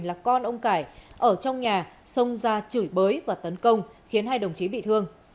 là con ông cải ở trong nhà xông ra chửi bới và tấn công khiến hai đồng chí bị thương